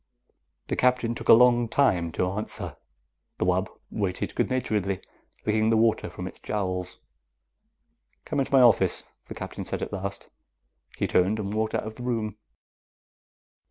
The Captain took a long time to answer. The wub waited good naturedly, licking the water from its jowls. "Come into my office," the Captain said at last. He turned and walked out of the room.